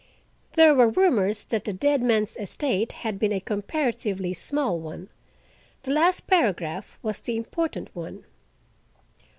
There were rumors that the dead man's estate had been a comparatively small one. The last paragraph was the important one.